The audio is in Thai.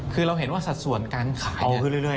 คือเราเห็นว่าสัดส่วนการขายเนี่ย